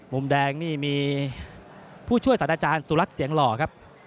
มุมแดงนี่มีผู้ช่วยสัตว์อาจารย์สุรัตน์เสียงหล่อครับ